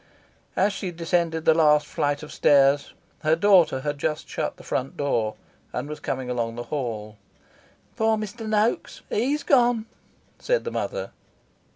As she descended the last flight of stairs, her daughter had just shut the front door, and was coming along the hall. "Poor Mr. Noaks he's gone," said the mother.